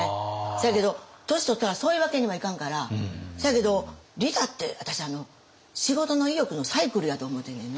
せやけど年とったらそういうわけにはいかんからせやけど利他って私仕事の意欲のサイクルやと思うてんねんね。